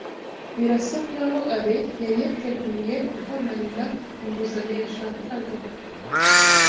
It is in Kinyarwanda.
Birasa nkaho Alain yari yateguye guha Marina inguzanyo yashakaga.